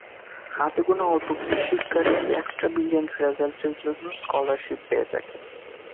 হাতে গোনা অল্প কিছু শিক্ষার্থী এক্সট্রা ব্রিলিয়ান্ট রেজাল্টের জন্য স্কলারশিপ পেয়ে থাকে।